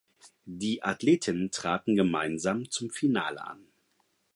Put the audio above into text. Die Athletinnen traten gemeinsam zum Finale an.